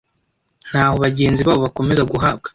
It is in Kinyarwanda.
naho bagenzi babo bakomeza guhabwa